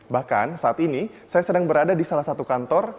bahkan saat ini saya sedang berada di salah satu kantor